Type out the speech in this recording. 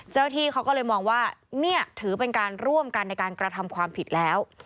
เจ้าหน้าที่เขาก็เลยมองว่าเนี่ยถือเป็นการร่วมกันในการกระทำความผิดแล้ว